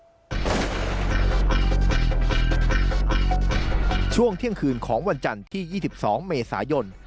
อีบช่วงเที่ยงคืนของวันจันที่ยี่สิบสองเมซายน